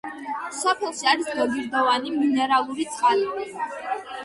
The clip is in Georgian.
სოფელში არის გოგირდოვანი მინერალური წყალი.